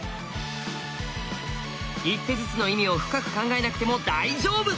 一手ずつの意味を深く考えなくても大丈夫！